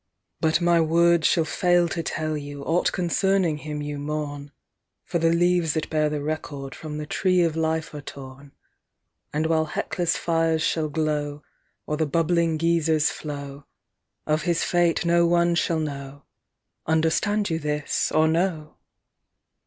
But my words shall fail to tell you Aught concerning him you mourn, For the leaves that bear the record From the Tree of Life are torn ; And while Ilecla s fires shall glow, Or the bubbling Geysers flow, Of his fate no one shall know Understand you this, or no?